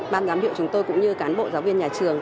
ban giám hiệu chúng tôi cũng như cán bộ giáo viên nhà trường